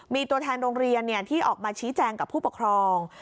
มีตัวแทนโรงเรียนที่ออกมาชี้แจงกับผู้ปกครอง